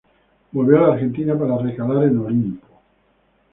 Volvió a la Argentina para recalar en Olimpo.